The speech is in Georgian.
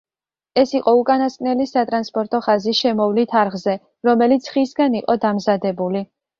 ეს იყო უკანასკნელი სატრანსპორტო ხაზი შემოვლით არხზე, რომელიც ხისგან იყო დამზადებული.